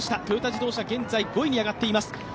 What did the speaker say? トヨタ自動車、現在５位に上がっています。